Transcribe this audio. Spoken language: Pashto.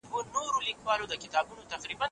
د محصلینو لیلیه بې له ځنډه نه پیلیږي.